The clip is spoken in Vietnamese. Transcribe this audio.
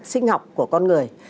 sinh học của con người